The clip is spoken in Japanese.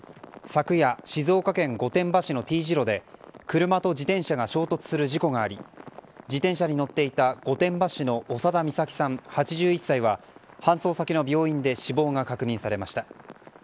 昨夜、静岡県御殿場市のＴ字路で車と自転車が衝突する事故があり自転車に乗っていた御殿場市の長田美咲さん、８１歳は搬送先の病院で死亡が確認されました。